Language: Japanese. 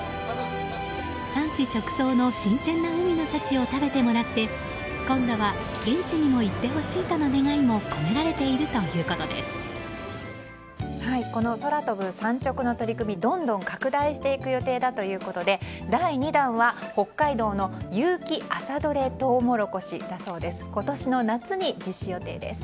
産地直送の新鮮な海の幸を食べてもらって今度は現地にも行ってほしいとの願いもこの空飛ぶ産直の取り組みはどんどん拡大していく予定だということで第２弾は北海道の、有機朝どれトウモロコシだそうです。